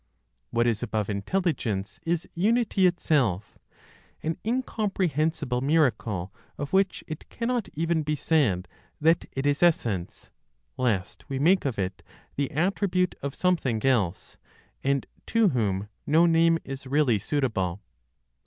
What is above Intelligence is Unity itself, an incomprehensible miracle, of which it cannot even be said that it is essence, lest we make of it the attribute of something else, and to whom no name is really suitable.